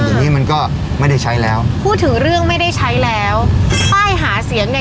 เดี๋ยวนี้มันก็ไม่ได้ใช้แล้วพูดถึงเรื่องไม่ได้ใช้แล้วป้ายหาเสียงเนี่ย